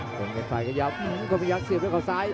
โคมยักษ์กระยับโคมยักษ์เสียบด้วยข้อซ้าย